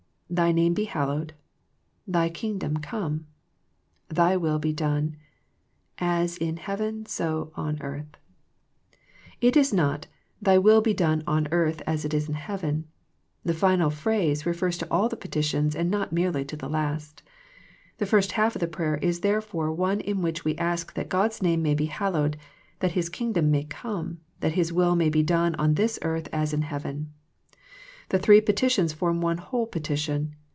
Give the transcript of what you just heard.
Thy name be hallowed, Thy Kingdom come, Thy will be done as in heaven so on earth. It is not " Thy will be done on earth as it is in f heaven." The final phrase refers to all the peti tions, and not merely to the last. The first half of the prayer is therefore one in which we ask that God's name may be hallowed, that His King dom may come, that His will may be done on this earth as in heaven. The three petitions form one whole petition.